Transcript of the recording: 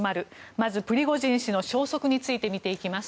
まずプリゴジン氏の消息について見ていきます。